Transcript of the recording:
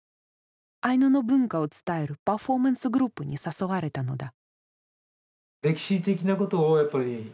アイヌの文化を伝えるパフォーマンスグループに誘われたのだ。